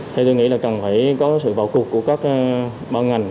thì tôi nghĩ là cần phải có sự vào cuộc của các ban ngành